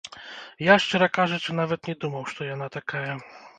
Я, шчыра кажучы, нават не думаў, што яна такая.